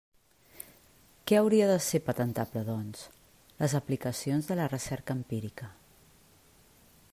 Què hauria de ser patentable, doncs? Les aplicacions de la recerca empírica.